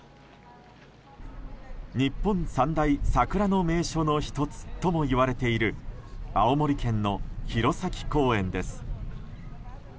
日本三大桜の名所の１つともいわれている青森県の弘前公園です。